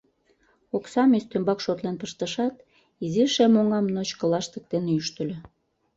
Оксам ӱстембак шотлен пыштышат, изи шем оҥам ночко лаштык дене ӱштыльӧ.